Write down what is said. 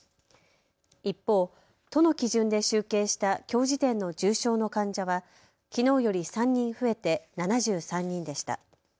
一方、都の基準で集計したきょう時点の重症の患者はきのうより３人増えて７３人でした。